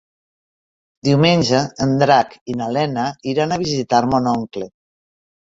Diumenge en Drac i na Lena iran a visitar mon oncle.